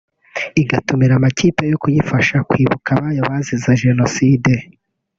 igatumira amakipe yo kuyifasha kwibuka abayo bazize Jenoside